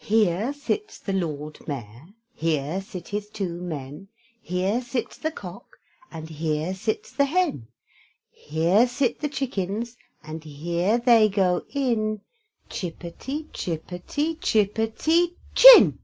Here sits the Lord Mayor, Here sit his two men, Here sits the cock, And here sits the hen; Here sit the chickens, And here they go in, Chippety, chippety, chippety chin.